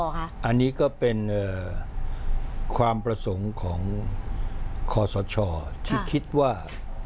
อันนี้ก็เป็นความประสงค์ของคอสชที่คิดว่า